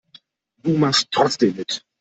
Du machst trotzdem mit.